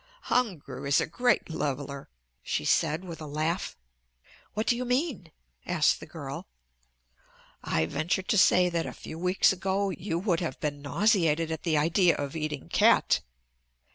"Hunger is a great leveler," she said with a laugh. "What do you mean?" asked the girl. "I venture to say that a few weeks ago you would have been nauseated at the idea of eating cat."